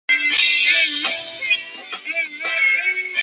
北海道比例代表区是日本众议院比例代表制选区。